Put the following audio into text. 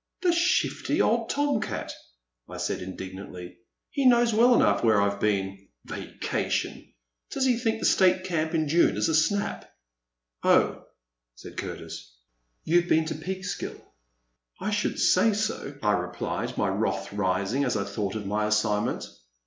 *' The shifty old tom cat! " I said, indignantly, he knows well enough where I 've been. Va cation ! Does he think the State Camp in June is a snap ?*' Oh," said Curtis, you *ve been to Peeks kill?" *' I should say so," I replied, my wrath rising as I thought of my assignment.